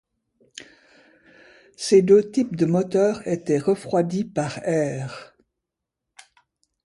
Ces deux types de moteurs étaient refroidis par air.